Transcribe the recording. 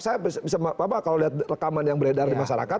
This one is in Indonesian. saya bisa bapak kalau lihat rekaman yang beredar di masyarakat